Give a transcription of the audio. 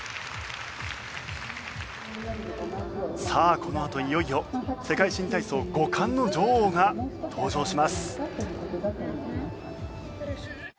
さあこのあといよいよ世界新体操５冠の女王が登場します。